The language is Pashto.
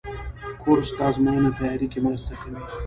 کورس د ازموینو تیاري کې مرسته کوي.